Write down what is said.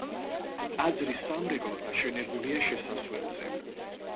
ტაძრის სამრეკლო დაშენებულია შესასვლელზე.